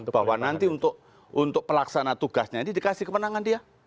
bahwa nanti untuk pelaksana tugasnya ini dikasih kemenangan dia